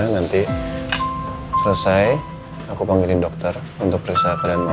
nanti selesai aku panggilin dokter untuk periksa keadaan mama ya